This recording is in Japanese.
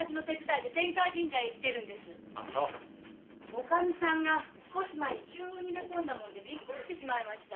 女将さんが少し前に急に寝込んだもんでびっくりしてしまいました。